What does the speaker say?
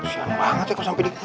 siang banget ya kok sampai dikuluk